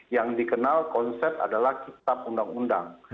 yang dikenal konsep adalah kitab undang undang